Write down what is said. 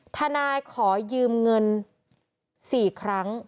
ทนายขอยืมเงิน๔ครั้ง